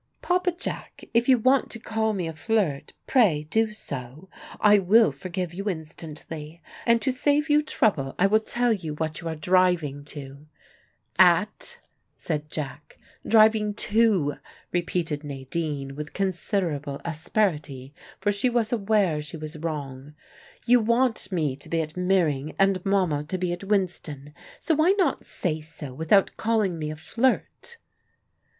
"Papa Jack, if you want to call me a flirt, pray do so. I will forgive you instantly. And to save you trouble, I will tell you what you are driving to " "At," said Jack. "Driving to," repeated Nadine with considerable asperity, for she was aware she was wrong. "You want me to be at Meering, and Mama to be at Winston. So why not say so without calling me a flirt?"